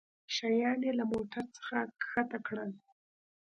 شيان يې له موټرڅخه کښته کړل.